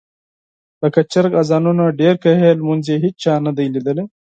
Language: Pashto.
لکه چرګ اذانونه ډېر کوي لمونځ یې هېچا نه دي لیدلي.